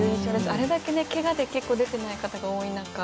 あれだけ、けがで結構、出てない方が多い中